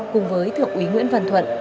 cùng với thượng úy nguyễn văn thuận